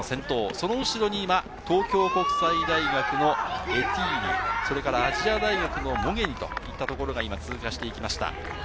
その後ろに今、東京国際大学のエティーリ、それから亜細亜大学のモゲニといったところが今、通過していきました。